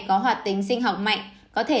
có hoạt tính sinh học mạnh có thể